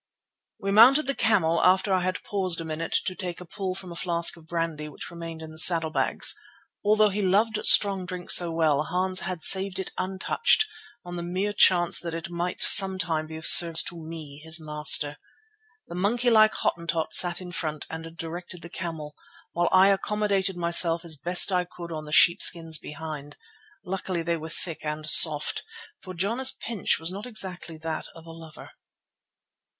We mounted the camel after I had paused a minute to take a pull from a flask of brandy which remained in the saddlebags. Although he loved strong drink so well Hans had saved it untouched on the mere chance that it might some time be of service to me, his master. The monkey like Hottentot sat in front and directed the camel, while I accommodated myself as best I could on the sheepskins behind. Luckily they were thick and soft, for Jana's pinch was not exactly that of a lover.